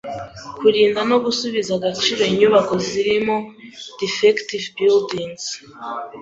kurinda no gusubiza agaciro inyubako zirimo defective buildings